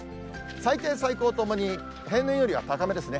最低、最高ともに平年よりは高めですね。